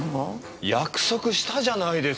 約束したじゃないですか。